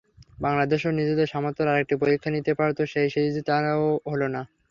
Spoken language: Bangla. বাংলাদেশও নিজেদের সামর্থ্যের আরেকটি পরীক্ষা নিতে পারত সেই সিরিজে, তাও হলো না।